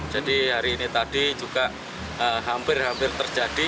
jadi hari ini tadi juga hampir hampir terjadi